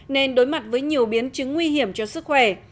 nên đối mặt với nhiều biến chứng nguy hiểm cho sức khỏe